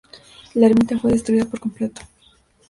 La ermita fue destruida por completo.